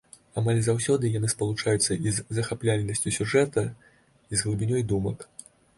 Амаль заўсёды яны спалучаюцца і з захапляльнасцю сюжэта, і з глыбінёй думак.